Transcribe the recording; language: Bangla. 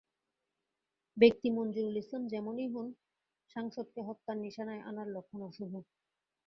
ব্যক্তি মনজুরুল ইসলাম যেমনই হোন, সাংসদকে হত্যার নিশানায় আনার লক্ষণ অশুভ।